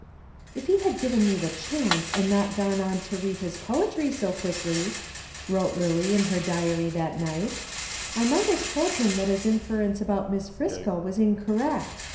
("If he had given me a chance, and not gone on to read his poetry so quickly," wrote Lillie in her diary that night, "I might have told him that his inference about Miss Friscoe was incorrect.